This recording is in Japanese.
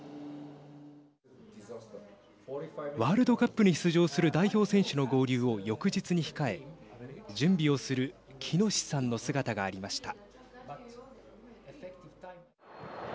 ワールドカップに出場する代表選手の合流を翌日に控え準備をする喜熨斗さんの姿がありました。